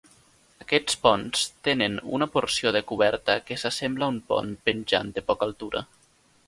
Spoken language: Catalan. Aquests ponts tenen una porció de coberta que s'assembla a un pont penjant de poca altura.